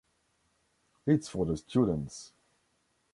It's for the students.